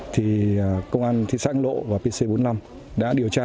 thì công an thị xã lộ và pc bốn mươi năm đã điều tra